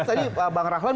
tadi bang rahlan